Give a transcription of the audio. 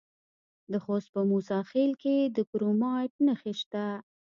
د خوست په موسی خیل کې د کرومایټ نښې شته.